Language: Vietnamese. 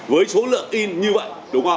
với số lượng in như vậy